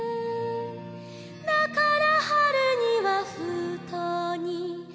「だから春には封筒に」